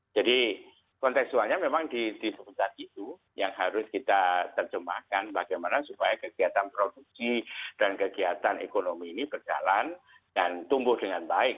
jadi konteksualnya memang di seputar itu yang harus kita terjemahkan bagaimana supaya kegiatan produksi dan kegiatan ekonomi ini berjalan dan tumbuh dengan baik